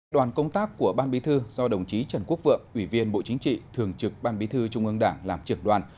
đoàn công tác của ban bí thư do đồng chí trần quốc vượng ủy viên bộ chính trị thường trực ban bí thư trung ương đảng làm trưởng đoàn